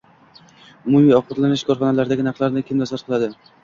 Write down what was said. Umumiy ovqatlanish korxonalardagi narxlarni kim nazorat qiladi❓